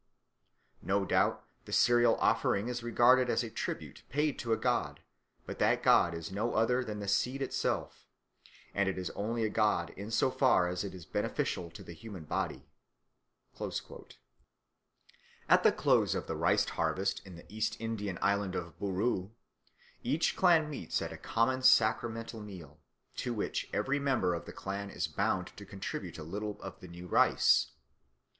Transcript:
No doubt the cereal offering is regarded as a tribute paid to a god, but that god is no other than the seed itself; and it is only a god in so far as it is beneficial to the human body." At the close of the rice harvest in the East Indian island of Buru, each clan meets at a common sacramental meal, to which every member of the clan is bound to contribute a little of the new rice.